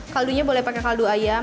kaldunya boleh pakai kaldu ayam